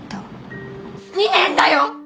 ２年だよ！？